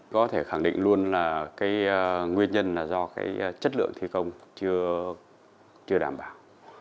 có thể khẳng định luôn là nguyên nhân là do chất lượng thi công chưa đảm bảo